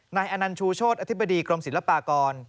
นายอนันต์ชูโชธอธิบดีกรมศิลปากร